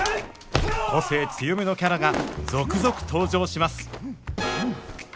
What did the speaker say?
個性強めのキャラが続々登場します